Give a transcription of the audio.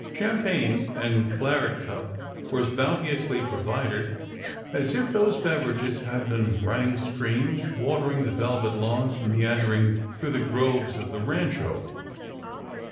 Champagne and claret cup were as bounteously provided as if those beverages had been running streams, watering the velvet lawns and meandering through the groves of the Rancho.